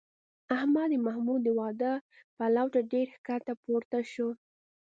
احمد د محمود د واده پلو ته ډېر ښکته پورته شو